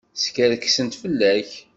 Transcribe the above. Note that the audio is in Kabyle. Skerksent fell-ak.